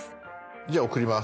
じゃあ送ります。